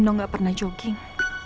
nino gak pernah jogging